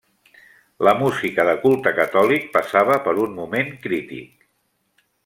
La música de culte catòlic passava per un moment crític.